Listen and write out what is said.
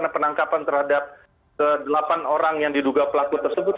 penangkapan terhadap delapan orang yang diduga pelaku tersebut